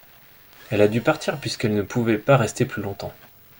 Elle a dû partir puisqu’elle ne pouvait pas rester plus longtemps.